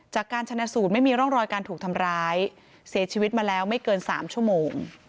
จากการชนะสูตรไม่มีร่องรอยการถูกทำร้ายเสียชีวิตมาแล้วไม่เกิน๓ชั่วโมง